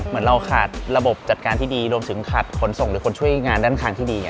เหมือนเราขาดระบบจัดการที่ดีรวมถึงขาดขนส่งหรือคนช่วยงานด้านทางที่ดี